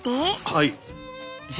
はい。